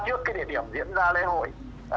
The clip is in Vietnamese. trước địa điểm diễn ra lễ hội